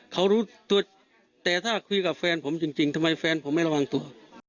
เขารู้ตัวแต่ถ้าคุยกับแฟนผมจริงทำไมแฟนผมไม่ระวังตัว